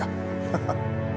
ハハハハ。